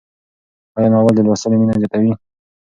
آیا ناول د لوستلو مینه زیاتوي؟